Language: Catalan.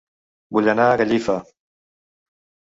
Vull anar a Gallifa